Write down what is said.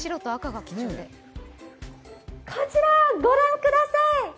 こちら、ご覧ください。